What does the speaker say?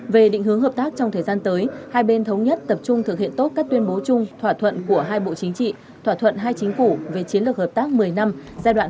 về định hướng hợp tác trong thời gian tới hai bên thống nhất tập trung thực hiện tốt các tuyên bố chung thỏa thuận của hai bộ chính trị thỏa thuận hai chính phủ về chiến lược hợp tác một mươi năm